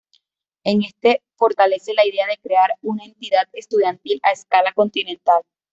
En este fortalece la idea de crear una entidad estudiantil a escala continental.